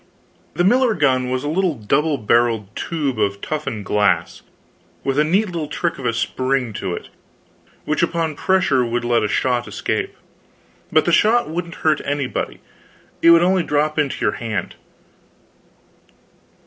The miller gun was a little double barreled tube of toughened glass, with a neat little trick of a spring to it, which upon pressure would let a shot escape. But the shot wouldn't hurt anybody, it would only drop into your hand.